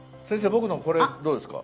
僕のこれどうですか？